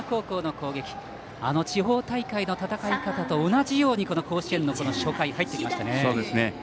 地方大会の戦い方と同じように甲子園の初回入ってきましたね。